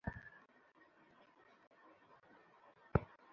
আয়োজনে থাকবে স্বরচিত কবিতা পাঠ, কবিতা আবৃত্তি, নাটিকা, গান, নাচ, ইত্যাদি।